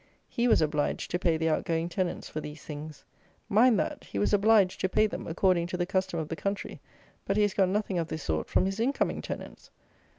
He was obliged to pay the out going tenants for these things. Mind that! He was obliged to pay them according to the custom of the country; but he has got nothing of this sort from his in coming tenants!